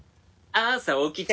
朝起きて